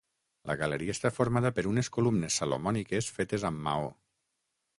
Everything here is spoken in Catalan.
La galeria està formada per unes columnes salomòniques fetes amb maó.